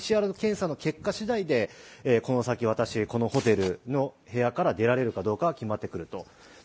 ＰＣＲ検査の結果しだいでこの先、私このホテルの部屋から出られるかどうかが決まってくると。